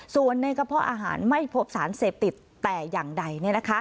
ส่วนในกระเพาะอาหารไม่พบสารเสพติดแต่อย่างใด